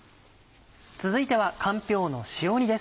続いてはかんぴょうの塩煮です。